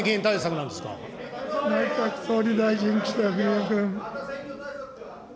これ、内閣総理大臣、岸田文雄君。